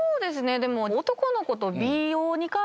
でも。